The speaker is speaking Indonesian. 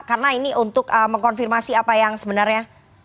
karena ini untuk mengkonfirmasi apa yang sebenarnya